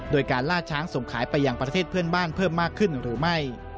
โดยการล่าช้างส่งขายไปอย่างประเทศเพื่อนบ้านเพิ่มมากขึ้นหรือไม่